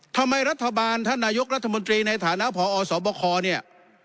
ทำไมรัฐบาลท่านนายกรัฐมนตรีในฐานะพอสบคเนี่ย